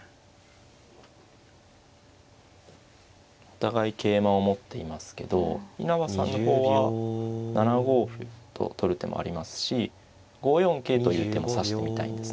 お互い桂馬を持っていますけど稲葉さんの方は７五歩と取る手もありますし５四桂という手も指してみたいんですね。